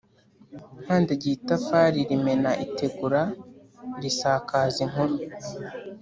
Nkandagiye itafari rimena itegura risakaza inkuru